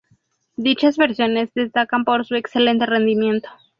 Dichas versiones destacan por su excelente rendimiento.